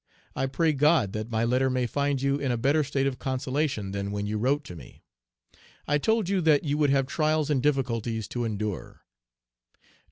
I pray God that my letter may find you in a better state of consolation than when you wrote to me. I told you that you would have trials and difficulties to endure.